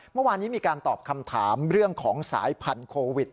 เมื่อวานนี้มีการตอบคำถามเรื่องของสายพันธุวิต